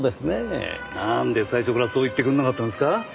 なんで最初からそう言ってくれなかったんですか？